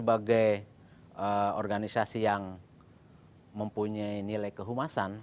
sebagai organisasi yang mempunyai nilai kehumasan